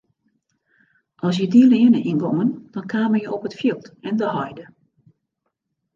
As je dy leane yngongen dan kamen je op it fjild en de heide.